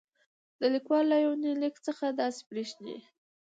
د ليکوال له يونليک څخه داسې برېښي